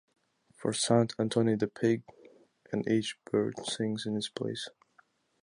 For Sant Antoni the pig, and each bird sings in its place.